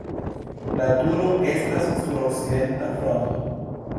La turo estas sur okcidenta fronto.